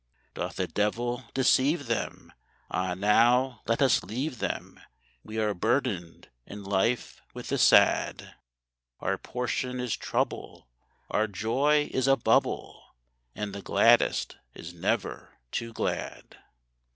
Doth a devil deceive them? Ah, now let us leave them We are burdened in life with the sad; Our portion is trouble, our joy is a bubble, And the gladdest is never too glad.